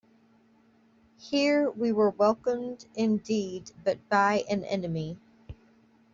Here we were welcomed indeed, but by an enemy.